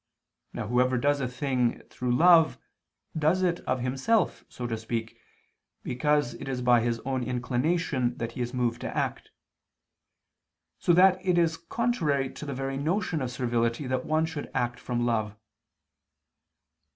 Now whoever does a thing through love, does it of himself so to speak, because it is by his own inclination that he is moved to act: so that it is contrary to the very notion of servility that one should act from love.